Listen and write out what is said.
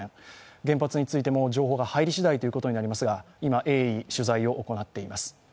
原発についても情報が入りしだいということになりますが今、鋭意取材を行っています。